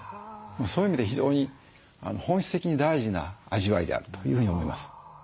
そういう意味で非常に本質的に大事な味わいであるというふうに思います。